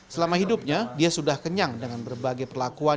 selama hidupnya dia sudah kenyang dengan berbagai perlakuan